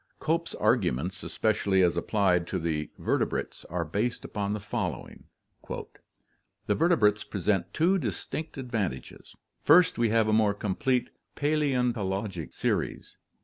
Cope's arguments, especially as applied to the vertebrates, are based upon the following: The vertebrates present two distinct advantages. First, we have a more complete paleontologic series.